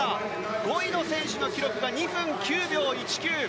５位の選手の記録が２分９秒１９。